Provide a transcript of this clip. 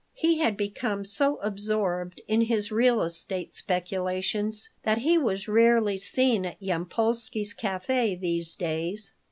He had become so absorbed in his real estate speculations that he was rarely seen at Yampolsky's café these days.